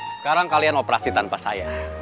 sekarang kalian operasi tanpa saya